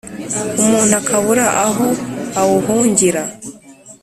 umuntu akabura aho awuhungira.